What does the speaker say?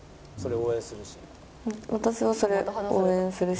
「それ応援するし」。